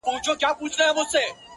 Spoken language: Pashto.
هلک مړ سو د دهقان په کور کي غم سو-